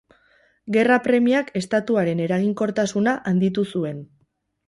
Gerra-premiak estatuaren eraginkortasuna handitu zuen.